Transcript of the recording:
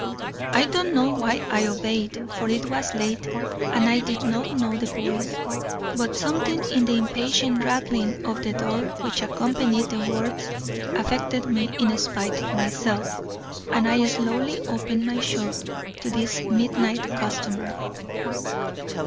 "I don't know why I obeyed, for it was late, and I did not know the voice, but something in the impatient rattling of the door which accompanied the words affected me in spite of myself, and I slowly opened my shop to this midnight customer.